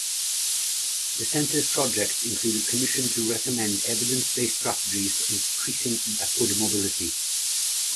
The center's projects include a commission to recommend evidence-based strategies for increasing upward mobility.